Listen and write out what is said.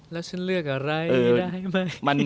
แล้วฉันเลือกอะไรได้